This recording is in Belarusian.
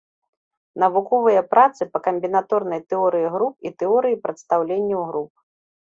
Навуковыя працы па камбінаторнай тэорыі груп і тэорыі прадстаўленняў груп.